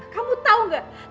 kamu tahu enggak